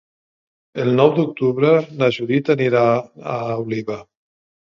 El nou d'octubre na Judit anirà a Oliva.